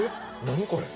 何これ？